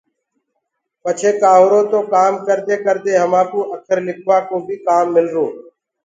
پڇي ڪآ هُرو تو ڪآم ڪردي ڪردي همانٚ ڪُو اکر لِکوآ ڪو بيِ ڪآم ملرو۔